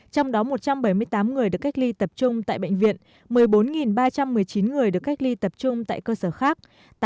trong đó một trăm bảy mươi tám người được cách ly tập trung tại bệnh viện một mươi bốn ba trăm một mươi chín người được cách ly tập trung tại cơ sở khác